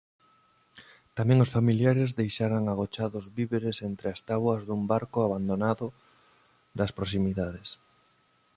Tamén os familiares deixaran agochados víveres entre as táboas dun barco abandonado das proximidades.